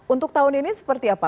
untuk tahun ini seperti apa